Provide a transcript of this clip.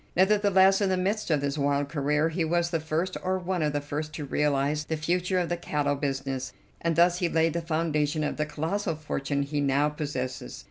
Nevertheless, in the midst of this wild career he was the first, or one of the first, to realize the future of the cattle business, and thus he laid the foundation of the colossal fortune he now possesses.